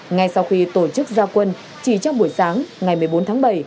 ngay sau khi tổ chức gia quân chỉ trong buổi sáng ngày một mươi bốn tháng bảy